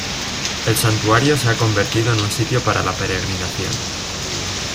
El santuario se ha convertido en un sitio para la peregrinación.